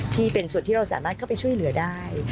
ที่เป็นส่วนที่เราสามารถเข้าไปช่วยเหลือได้